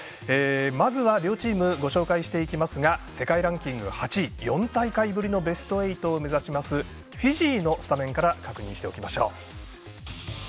まずは、両チームご紹介していきますが世界ランキング８位４大会ぶりのベスト８を目指しますフィジーのスタメンから確認しておきましょう。